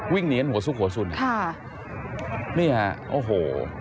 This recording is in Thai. วิ่งเนี๊ยนหัวซุกหัวซุ่นเหรอเนี่ยโอ้โห